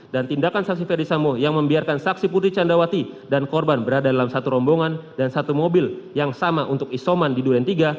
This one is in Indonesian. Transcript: dan tindakan saksifer disambung yang membiarkan saksi putri candrawati dan korban berada dalam satu rombongan dan satu mobil yang sama untuk isoman di duren tiga